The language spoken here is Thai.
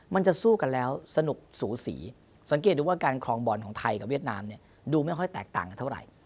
มันจะสู้กันแล้วสนุกสูสีสังเกตดูว่าการครองบอลของไทยกับเวียดนามเนี่ยดูไม่ค่อยแตกต่างกันเท่าไหร่